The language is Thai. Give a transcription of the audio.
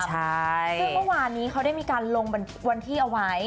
ซึ่งเมื่อวานนี้เขาได้มีการลงวันที่เอาไว้